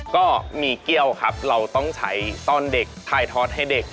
ก็มีเกี้ยวครับเราต้องใช้ตอนเด็กถ่ายทอดให้เด็ก